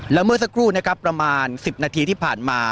แล้วเมื่อสักครู่นะครับประมาณ๑๐นาทีที่ผ่านมา